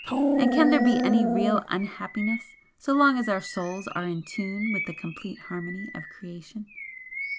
and can there be any real unhappiness so long as our Souls are in tune with the complete harmony of Creation?